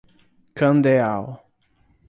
Candeal